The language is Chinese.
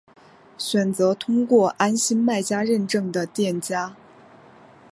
选择通过安心卖家认证的店家